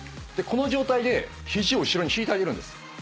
この状態で肘を後ろに引いてあげるんです。